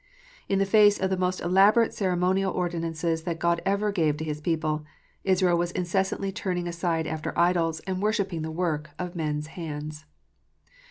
In the face of the most elaborate ceremonial ordinances that God ever gave to His people, Israel was incessantly turning aside after idols, and worshipping the work of men s hands.